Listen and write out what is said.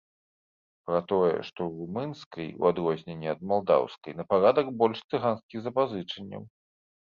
Пра тое, што ў румынскай, у адрозненне ад малдаўскай, на парадак больш цыганскіх запазычанняў.